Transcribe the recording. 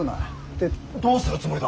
でどうするつもりだ。